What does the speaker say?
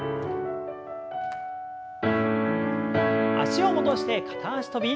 脚を戻して片脚跳び。